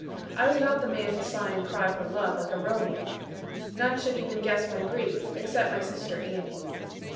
I was not the man to sigh and cry for love, like a Romeo: none should even guess my grief, except my sister Annie.